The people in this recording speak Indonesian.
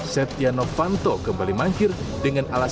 setiano fanto kembali mangkir dengan alasan